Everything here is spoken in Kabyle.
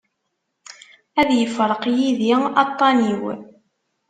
Ad yefreq yid-i aṭṭan-iw.